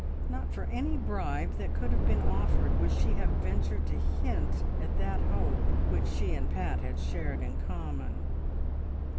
Not for any bribe that could have been offered would she have ventured to hint at that hope which she and Pat had shared in common.